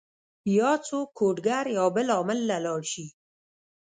يا څوک کوډ ګر يا بل عامل له لاړ شي